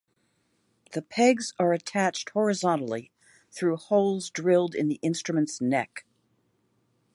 The pegs are attached horizontally through holes drilled in the instrument's neck.